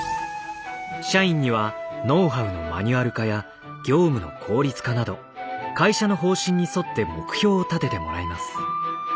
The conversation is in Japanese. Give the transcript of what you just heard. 社員にはノウハウのマニュアル化や業務の効率化など会社の方針に沿って目標を立ててもらいます。